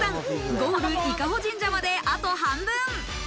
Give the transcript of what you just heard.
ゴール伊香保神社まで、あと半分。